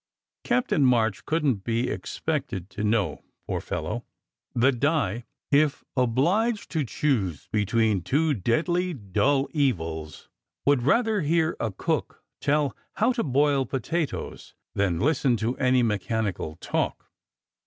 Captain March couldn t be ex pected to know, poor fellow, that Di, if obliged to choose between two deadly dull evils, would rather hear a cook tell how to boil potatoes than listen to any mechanical talk.